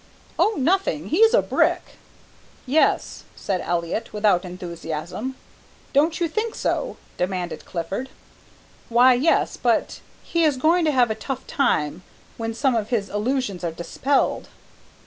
"Oh, nothing. He's a brick." "Yes," said Elliott, without enthusiasm. "Don't you think so?" demanded Clifford. "Why yes, but he is going to have a tough time when some of his illusions are dispelled."